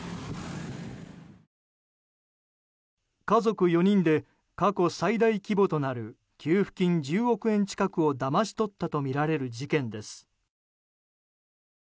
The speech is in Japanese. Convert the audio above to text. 家族４人で過去最大規模となる給付金１０億円近くをだまし取ったとみられる事件です。